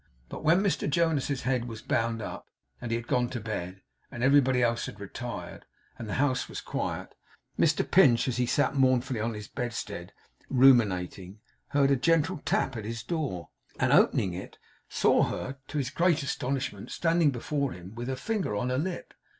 But when Mr Jonas's head was bound up, and he had gone to bed, and everybody else had retired, and the house was quiet, Mr Pinch, as he sat mournfully on his bedstead, ruminating, heard a gentle tap at his door; and opening it, saw her, to his great astonishment, standing before him with her finger on her lip.